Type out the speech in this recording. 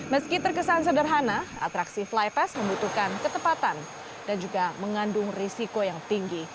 meski terkesan sederhana atraksi fly pass membutuhkan ketepatan dan juga mengandung risiko yang tinggi